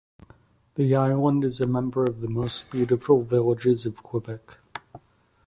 The island is a member of the Most Beautiful Villages of Quebec.